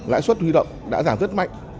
lãi suất huy động đã giảm rất mạnh